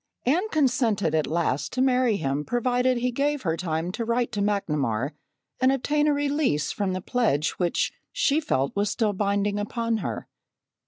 Anne consented at last to marry him provided he gave her time to write to McNamar and obtain a release from the pledge which she felt was still binding upon her.